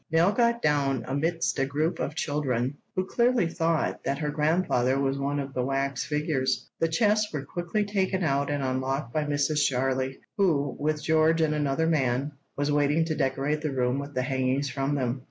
Nell got down amidst a group of children, who clearly thought that her grandfather was one of the wax figures. The chests were quickly taken out and unlocked by Mrs. Jarley, who, with George and another man, was waiting to decorate the room with the hangings from them.